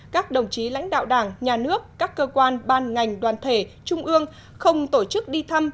các đồng chí lãnh đạo đảng nhà nước các cơ quan ban ngành đoàn thể trung ương không tổ chức đi thăm